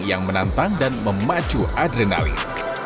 yang menantang dan memacu adrenalin